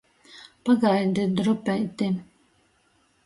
Pagaidit drupeiti!